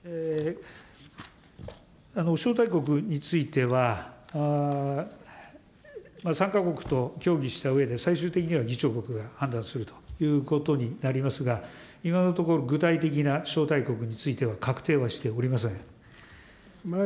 招待国については、参加国と協議したうえで、最終的には議長国が判断するということになりますが、今のところ、具体的な招待国については確定はしておりません。